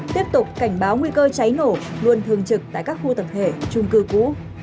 tiếp tục cảnh báo nguy cơ cháy nổ luôn thường trực tại các khu tập thể chung cư cũ